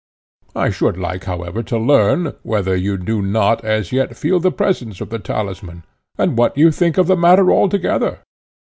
I should like, however, to learn, whether you do not as yet feel the presence of the talisman, and what you think of the matter altogether."